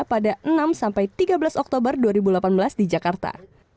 pada enam sampai tiga belas oktober dua ribu delapan belas di jakarta